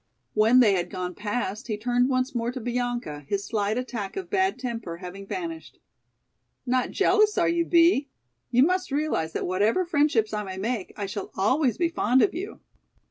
When they had gone past he turned once more to Bianca, his slight attack of bad temper having vanished. "Not jealous, are you, Bee? You must realize that whatever friendships I may make, I shall always be fond of you."